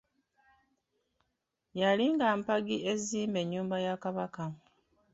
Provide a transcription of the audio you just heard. Yali nga mpagi ezimba ennyumba ya Kabaka.